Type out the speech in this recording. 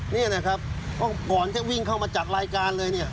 นี่นะครับก่อนจะวิ่งเข้ามาจัดรายการเลยเนี่ย